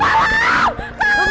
berani mau ngelawan lo